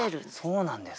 そうなんですね。